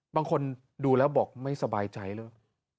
บางคนดูแล้วบอกไม่สบายใจแล้ว